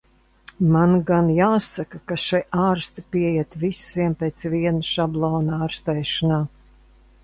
Man gan jāsaka, ka še ārsti pieiet visiem pēc viena šablona ārstēšanā.